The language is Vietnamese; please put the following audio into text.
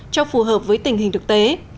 cho phù hợp với tình hình thực tế